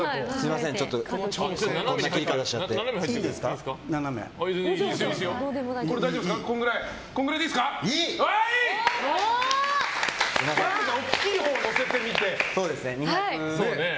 まず大きいほうを載せてみて。